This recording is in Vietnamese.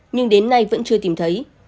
nhưng đến nay vẫn chưa tìm thấy